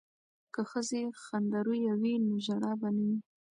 که ښځې خندرویه وي نو ژړا به نه وي.